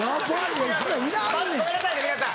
ごめんなさい皆さん。